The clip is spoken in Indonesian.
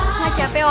kamu berhapen aku